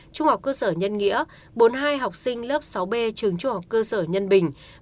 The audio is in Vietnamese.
trung học cơ sở nhân nghĩa bốn mươi hai học sinh lớp sáu b trường trung học cơ sở nhân bình